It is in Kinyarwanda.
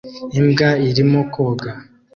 Imbwa irimo koga